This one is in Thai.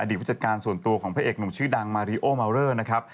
อดีตว่าจัดการส่วนตัวของพระเอกหนุ่มชื่อดังมารีโอเมาเวอร์